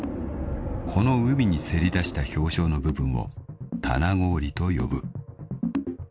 ［この海にせり出した氷床の部分を棚氷と呼ぶ］